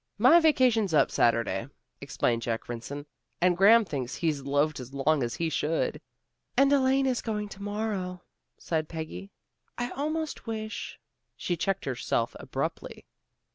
"My vacation's up Saturday," explained Jack Rynson. "And Graham thinks he's loafed as long as he should." "And Elaine is going to morrow," sighed Peggy. "I almost wish " She checked herself abruptly.